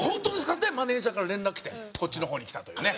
ってマネジャーから連絡きてこっちの方に来たというね。